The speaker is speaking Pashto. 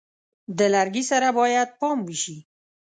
د لرګي سره باید پام وشي.